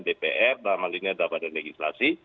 dpr dalam hal ini adalah badan legislasi